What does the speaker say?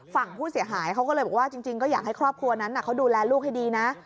ฝั่งผู้เสียหายเขาก็เลยบอกว่าจริงก็อยากให้ครอบครัวนั้นเขาดูแลลูกให้ดีนะ